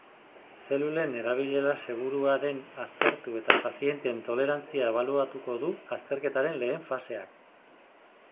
Zelulen erabilera segurua den aztertu eta pazienteen tolerantzia ebaluatuko du azterketaren lehen faseak.